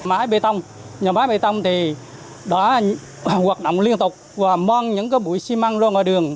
máy bê tông nhà máy bê tông thì đã hoạt động liên tục và mong những cái bụi xi măng luôn ở đường